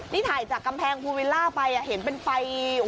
นี่ถ่ายจากกำแพงภูวิลล่าไปเห็นเป็นไฟ